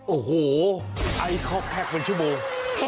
โอ้โหไอ้คอคแพคบนชั่วโบง